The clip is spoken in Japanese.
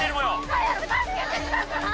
・早く助けてください！